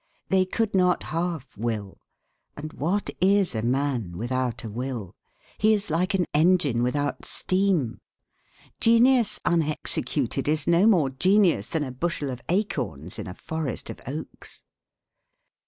They could not half will: and what is a man without a will? He is like an engine without steam. Genius unexecuted is no more genius than a bushel of acorns is a forest of oaks.